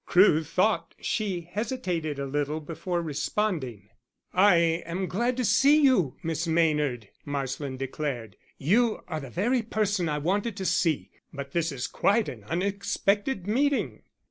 Crewe thought she hesitated a little before responding. "I am glad to see you, Miss Maynard," Marsland declared. "You are the very person I wanted to see. But this is quite an unexpected meeting."